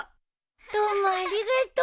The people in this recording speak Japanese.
どうもありがとう。